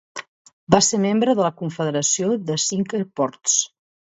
Va ser membre de la Confederació de Cinque Ports.